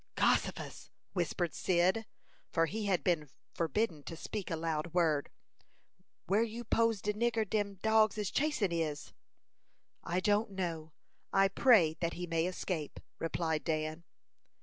"Gossifus!" whispered Cyd, for he had been forbidden to speak a loud word. "Where you 'pose de nigger dem dogs is chasin' is?" "I don't know. I pray that he may escape," replied Dan.